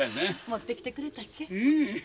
持ってきてくれたけ？